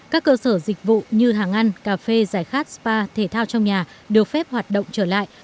các cơ sở dịch vụ như hàng ăn cà phê giải khát spa thể thao trong nhà đều phép hoạt động trở lại